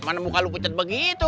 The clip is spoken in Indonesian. mana muka lo pucet begitu